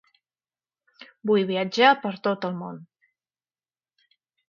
Vull viatjar per tot el món.